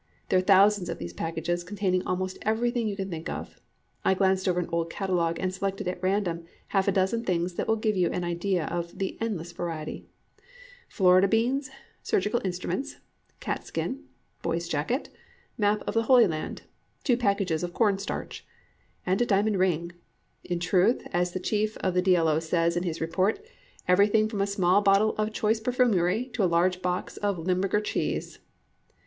There are thousands of these packages, containing almost everything you can think of. I glanced over an old catalogue, and selected at random half a dozen things that will give you an idea of the endless variety: Florida beans, surgical instruments, cat skin, boy's jacket, map of the Holy Land, two packages of corn starch, and a diamond ring in truth, as the chief of the D. L. O. says in his report, "everything from a small bottle of choice perfumery to a large box of Limburger cheese."